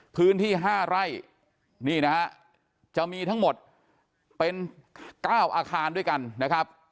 พื้นที่๕ไร่นี่นะฮะจะมีทั้งหมดเป็น๙อาคารด้วยกันนะครับ